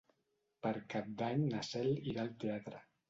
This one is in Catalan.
Per Cap d'Any na Cel irà al teatre.